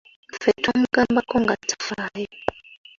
Ffe twamugambako nga tafaayo!